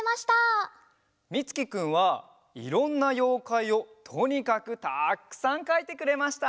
みつきくんはいろんなようかいをとにかくたくさんかいてくれました。